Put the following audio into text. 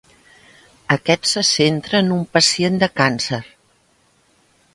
Aquest se centra en un pacient de càncer.